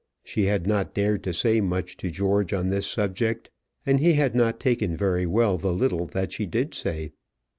She had not dared to say much to George on this subject, and he had not taken very well the little that she did say.